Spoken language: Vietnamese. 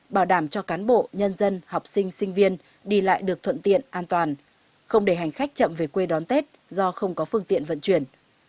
bảo đảm cho cán bộ nhân dân học sinh sinh viên đi lại được thuận tiện an toàn không để hành khách chậm về quê đón tết do không có phương tiện vận chuyển